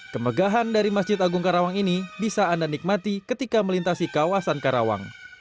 kemegahan dari masjid agung karawang ini bisa anda nikmati ketika melintasi kawasan karawang